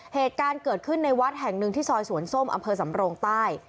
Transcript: เหตุการณ์เกิดขึ้นในวัดแห่งหนึ่งที่ซอยสวนส้มอำเภอสำโรงใต้